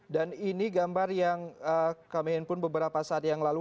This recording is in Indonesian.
dan ini gambar yang kami handphone beberapa saat yang lalu